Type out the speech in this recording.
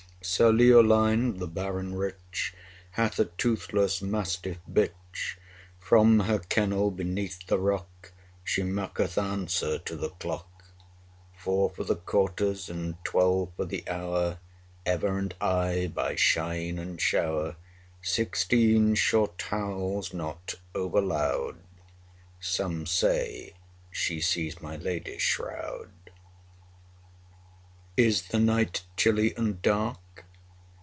5 Sir Leoline, the Baron rich, Hath a toothless mastiff bitch; From her kennel beneath the rock She maketh answer to the clock, Four for the quarters, and twelve for the hour; 10 Ever and aye, by shine and shower, Sixteen short howls, not over loud; Some say, she sees my lady's shroud. Is the night chilly and dark?